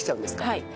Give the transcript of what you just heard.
はい。